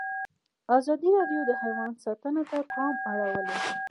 ازادي راډیو د حیوان ساتنه ته پام اړولی.